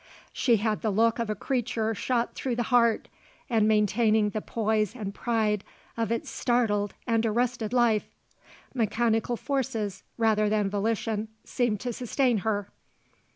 She had the look of a creature shot through the heart and maintaining the poise and pride of its startled and arrested life. Mechanical forces rather than volition seemed to sustain her.